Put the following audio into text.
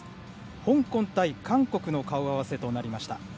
香港対韓国の顔合わせとなりました。